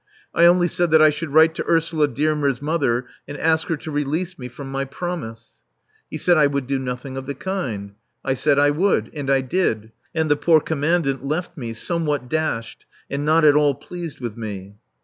I only said that I should write to Ursula Dearmer's mother and ask her to release me from my promise. He said I would do nothing of the kind. I said I would. And I did. And the poor Commandant left me, somewhat dashed, and not at all pleased with me.